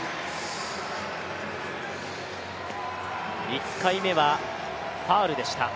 １回目はファウルでした。